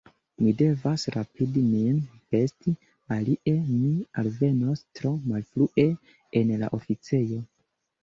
Mi devas rapidi min vesti, alie mi alvenos tro malfrue en la oficejo.